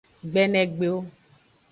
Gbenegbeo.